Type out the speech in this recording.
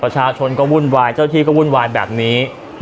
ประชาชนก็วุ่นวายเจ้าที่ก็วุ่นวายแบบนี้